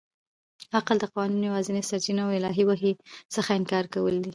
عقل د قوانینو یوازنۍ سرچینه او د الهي وحي څخه انکار کول دي.